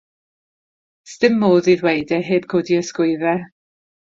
'S dim modd ei ddweud e heb godi ysgwyddau.